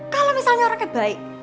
kalo misalnya orangnya baik